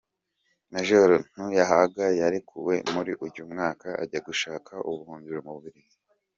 Maj. Ntuyahaga yarekuwe muri uyu mwaka ajya gushaka ubuhungiro mu Bubiligi.